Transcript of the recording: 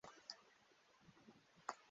De unu teksto ekzistas ses kopioj.